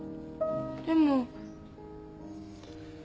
でも。